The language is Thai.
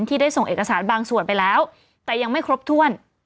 ได้ส่งเอกสารบางส่วนไปแล้วแต่ยังไม่ครบถ้วน